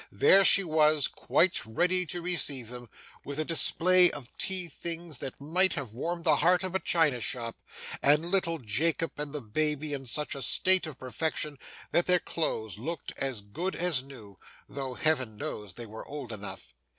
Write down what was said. There she was, quite ready to receive them, with a display of tea things that might have warmed the heart of a china shop; and little Jacob and the baby in such a state of perfection that their clothes looked as good as new, though Heaven knows they were old enough!